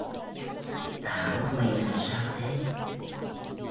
Thảo mày làm sao thế